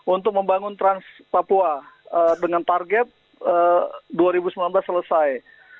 untuk membangun trans papua dengan target dua ribu sembilan belas selesai